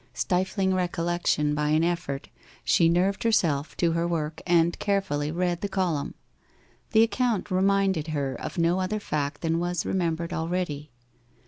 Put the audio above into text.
Stifling recollection by an effort she nerved herself to her work, and carefully read the column. The account reminded her of no other fact than was remembered already.